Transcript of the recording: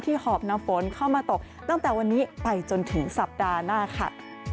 หอบนำฝนเข้ามาตกตั้งแต่วันนี้ไปจนถึงสัปดาห์หน้าค่ะ